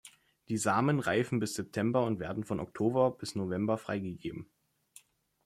Die Samen reifen bis September und werden von Oktober bis November freigegeben.